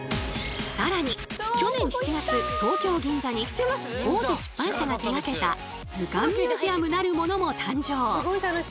更に去年７月東京・銀座に大手出版社が手がけた「図鑑ミュージアム」なるものも誕生！